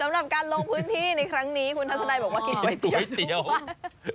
สำหรับการลงพื้นที่ในครั้งนี้คุณทัศนัยบอกว่ากินก๋วยเตี๋ยวเสียวมาก